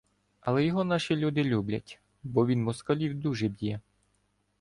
Але його наші люди люблять, бо він москалів дуже б'є.